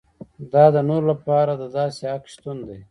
دا د نورو لپاره د داسې حق شتون دی.